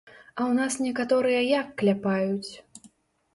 А ў нас некаторыя як кляпаюць?